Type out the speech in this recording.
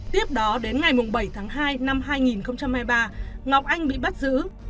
tiếp đó đến ngày bảy tháng hai năm hai nghìn hai mươi ba ngọc anh bị bắt giữ